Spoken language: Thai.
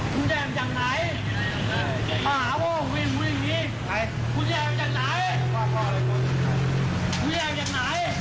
คุณแหงจะไหน